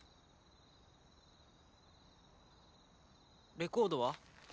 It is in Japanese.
レコードは？